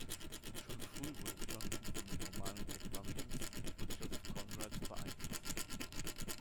Schon früh wurde Johnson von den Romanen Jack Londons und Joseph Conrads beeinflusst.